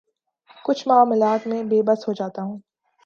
کچھ معاملات میں بے بس ہو جاتا ہوں